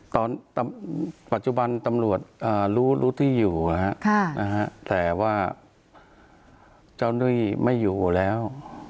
ตอนปัจจุบันตำรวจรู้ที่อยู่นะฮะแต่ว่าเจ้าหน้าที่ไม่อยู่แล้ว